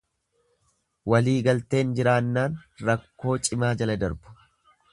Walii galteen jiraannaan rakkoo cimaa jala darbu.